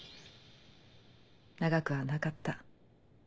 長くはなかった。